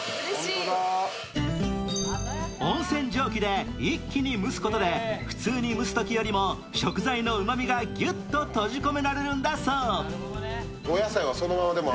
温泉蒸気で一気に蒸すことで、普通に蒸すときよりも食材のうまみがギュッと閉じ込められるんだそう。